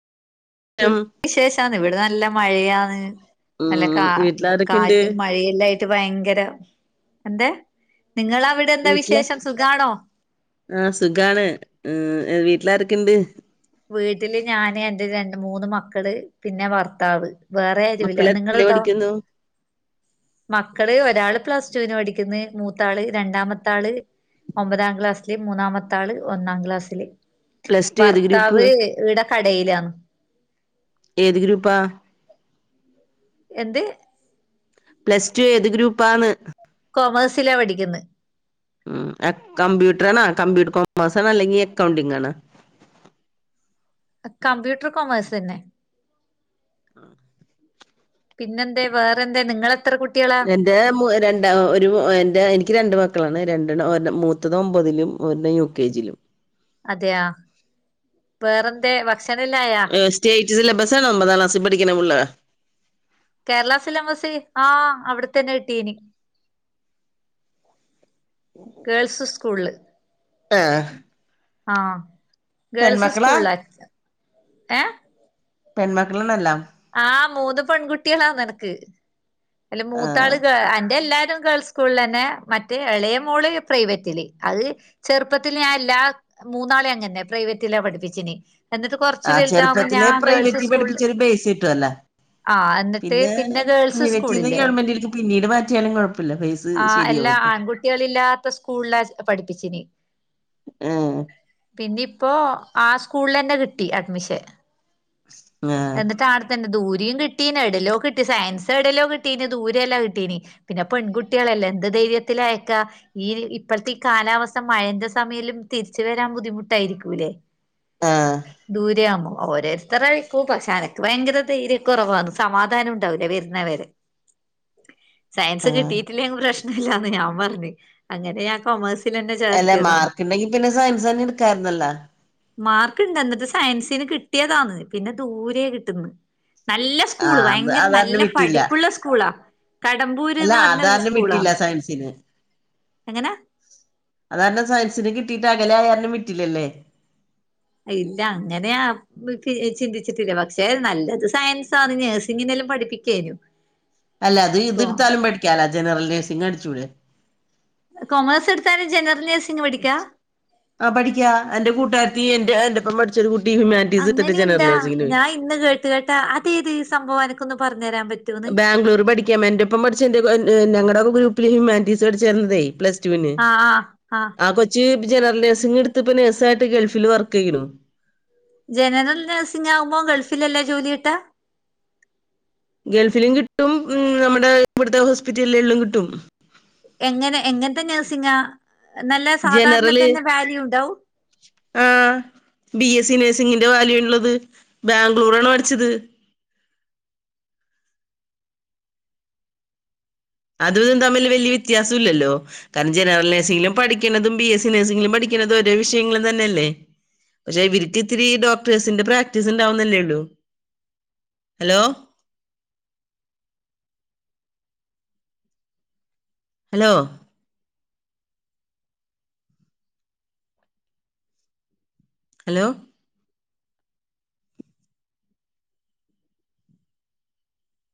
ഷം വിശേഷന്ന് ഇവിടെ നല്ല മഴയാണ്. നല്ല ഉം കാ വീട്ടിലാരൊക്കെണ്ട് കാറ്റും മഴയല്ലായിട്ട് ഭയങ്കര എന്ത്‌ നിങ്ങളവിടെ എന്താ വിശേഷം സുഖാണോ? ആഹ് സുഖാണ് ഏഹ് വീട്ടിലാരൊക്കെണ്ട്? വീട്ടില് ഞാന് എന്റെ രണ്ട് മൂന്ന് മക്കള് പിന്നെ ഭർത്താവ്. വേറെ ആരുല്ല മക്കളൊക്കെ എത്രയിലാ നിങ്ങളെതോ? പഠിക്കുന്നു മക്കള് ഒരാള് പ്ലസ് ടുവിന് പഠിക്കുന്ന് മൂത്താള് രണ്ടാമത്താള് ഒമ്പതാം ക്ലാസ്സില് മൂന്നാമത്തെ ആള് ഒന്നാം ക്ലാസ്സില്. പ്ലസ് ടു ഏത് ഗ്രൂപ്പ് ഭർത്താവ് ഇവ്ടെ കടയിലാണ്. ഏത് ഗ്രൂപ്പാ എന്ത്? പ്ലസ് ടു ഏത് ഗ്രൂപ്പാന്ന് കോമേഴ്സിലാ പഠിക്കുന്ന്. ഉം കമ്പ്യൂട്ടർ ആണ കമ്പ്യൂട്ടർ കോമേഴസ്സണ അല്ലെങ്കിൽ എക്കൗണ്ടിംഗ് ആണ കമ്പ്യൂട്ടർ കോമേഴ്സ്ന്നെ ആഹ് പിന്നെന്തേ വേറെന്തേ നിങ്ങെളെത്ര കു ഞാൻ എന്റെ മു രണ്ട ഒരു എൻ്റെ എനിക്ക് രണ്ട് മക്കളാണ് രണ്ടണം ഒരെ മൂത്തത് ഒമ്പതിലും ഒരെണ്ണം യു കെ ജിലും അതെയ വേറെന്തേ ഭക്ഷണെല്ലായാ? ഏഹ് സ്റ്റേറ്റ് സിലബസാണ ഒമ്പതാം ക്ലാസ്സിൽ പഠിക്കണ പുള്ള. കേരള സിലംബസ് ആഹ് അവിടെത്തന്നെ കിട്ടീന് ഗേൾസ് സ്കൂൾല് ആഹ് ആഹ് ഗേൾസ് പെൺമക്കളാ സ്കൂളില ഏഹ് പെൺമക്കളണെല്ലാം ആഹ് മൂന്ന് പെൺകുട്ടികളാന്ന് എനക്ക് അയില് ആ മൂത്താള് അന്റെ എല്ലാരും ഗേൾസ് സ്കൂളിലെന്നെ മറ്റേ ഇളയ മോള് പ്രൈവറ്റില് അത് ചെറുപ്പത്തിൽ ഞാൻ എല്ലാ മൂന്നാളെ അങ്ങനെന്നെ പ്രൈവറ്റിലാ പഠിപ്പിച്ചിന് എന്നിട്ട് കൊറച്ച് വലുതാവകുമ്പോ ഞാൻ ഗേൾസ് സ്കൂളില് ബേയ്സിട്ടോല്ലോ? ആ എന്നിട്ട് പിന്നെ ഗേൾസ് പ്രൈവറ്റിന്ന് സ്കൂളില്ലെ ഗവൺമെന്റിലേക്ക് പിന്നീട് മാറ്റിയാലും കുഴപ്പമില്ല ഫേസ് ആ ശരിയാവും അല്ലാ അപ്പൊ ആൺകുട്ടികളില്ലാത്ത സ്കൂളിലാ പഠിപ്പിച്ചിന് ഉം പിന്നെ ഇപ്പോ ആ സ്കൂളിലെന്നെ കിട്ടി അഡ്മിഷൻ വേറെ എന്നിട്ട് ആടെത്തന്നെ ദൂരിം കിട്ടീന് ഏടല്ലോ കിട്ടി സയൻസ് ഏടലോ കിട്ടീന് ദൂരം എല്ലാം കിട്ടീന് പിന്നെ പെൺകുട്ടികളെല്ലേ എന്ത് ധൈര്യത്തിലായക്കാ? ഈ ഇപ്പോഴത്തെ ഈ കാലാവസ്ഥ മഴന്റെ സമയല്ലും തിരിച്ച് വരാൻ ബുദ്ധിമുട്ടായിരിക്കൂല്ലേ ആഹ് ദൂരെയാമ്പോ ഓരോരുത്തറെ ഓ പക്ഷെ അനക്ക് ഭയങ്കര ധ്യൈര കുറവാന്ന് സമാധാനം ഉണ്ടാവൂല്ല വരുന്നവരെ സയൻസ് ആഹ് കിട്ടീട്ടില്ലങ്ങ് പ്രശ്നില്ലാന്ന് ഞാൻ പറഞ്ഞ് അങ്ങനെ ഞാൻ കൊമേഴ്സ് അല്ലെ മാർക്ക് ഇണ്ടെങ്കി പിന്നെ സയൻസെന്നെ എടുക്കാർന്നല്ലോ മാർക്ക് ഇണ്ട് എന്നിട്ട് സയൻസിന് കിട്ടിയതാന്ന് പിന്നെ ദൂരെയാ കിട്ടുന്ന് നല്ല സ്കൂള് ആഹ് അത് ഭയങ്കര നല്ല അതാരണം വിട്ടില്ല പഠിപ്പുള്ള സ്കൂളാ അല്ല കടമ്പൂര്ന്ന് പറഞ്ഞ ഒരു അതാരണം സ്കൂളാ വിട്ടില്ല സയൻസിന് എങ്ങനെ? അതാരണം സയൻസിന് കിട്ടിട്ട് അകലായാരണം വിട്ടില്ലല്ലേ ഇല്ല അങ്ങനെയാ ഒന്നും ചിന്തിച്ചിട്ടില്ല പക്ഷെ നല്ലത് സയൻസാന്ന് നഴ്സിങ്ങിനെല്ലാം പഠിപ്പിക്കേനു അല്ല അത് ഇത് കോ എടുത്താലും പഠിക്കാലാ ജനറൽ നേഴ്സിങ്ങടിച്ചൂടെ കൊമേഴ്സ് എടുത്താനും ജനറൽ നഴ്സിങ്ങ് ആ പഠിക്കാ എന്റെ കൂട്ടുകാരത്തി എന്റെ എന്റെപ്പം പഠി ഒരു കുട്ടി ഹ്യുമാനിറ്റീസ് എടുത്തീട്ട് ജനറൽ അങ്ങനെയുണ്ടാ നഴ്സിങ്ങിന് പോയി ഞാൻ ഇന്ന് കേട്ട കേട്ടാ അതേത് ഈ സംഭവം എനക്കൊന്ന് പറഞ്ഞെരാൻ പറ്റോ? ബാംഗ്ലൂര് പഠിക്കാമെന്റൊപ്പം പഠിച്ചു എന്റെ ഞങ്ങളുടൊരു ഗ്രൂപ്പിൽ ഹ്യൂമാനിറ്റീസ് പഠിച്ചിരുന്നതേ പ്ലസ് ടു ന് ആഹ് ആഹ് ആഹ് ആ കൊച്ച് ജനറൽ നേഴ്സിംഗ് എടുത്ത്പ്പ നേഴ്സിയിട്ട് ഗൾഫിൽ വർക്കെയ്യുണു ജനറൽ നഴ്സിംങ്ങാവുമ്പോ ഗൾഫിലല്ലെ ജോലിട്ടാ ഗൾഫിലും കിട്ടും മ് നമ്മുടെ ഇവിടുത്തെ ഹോസ്പിറ്റലുകളിലും കിട്ടും എങ്ങനെ എങ്ങനത്തെ നേഴ്സിങ്ങാ നല്ല ജനറല് സാധാരണത്തന്നെ വാല്യൂ ഉണ്ടാവും? ആ ബി എസ് സി നേഴ്സിങ്ങിന്റെ വാല്യുള്ളത് ബാംഗ്ലൂരാണ് പഠിച്ചത് അത്‌തും തമ്മില് വല്യ വ്യത്യാസല്ലല്ലോ കാരണം ജനറൽ നേഴ്സിങ്ങിലും പഠിക്കണതും ബി എസ് സി നേഴ്സിങ്ങിലും പഠിക്കണതും ഒരേ വിഷയങ്ങളെന്നെയല്ലേ പക്ഷെ ഇവർക്ക് ഇത്തിരി ഡോക്ടേഴ്സിന്റെ പ്രാക്ടീസ് ഇണ്ടാവുന്നല്ലേള്ളു ഹലോ ഹലോ ഹലോ